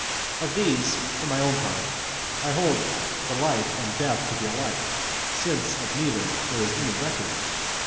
Of these, for my own part, I hold the life and death to be alike, since of neither is there any record.